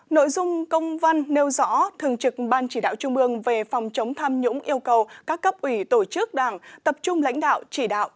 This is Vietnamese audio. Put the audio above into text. nội dung công văn nêu rõ thường trực ban chỉ đạo trung ương về phòng chống tham nhũng yêu cầu các cấp ủy tổ chức đảng tập trung lãnh đạo chỉ đạo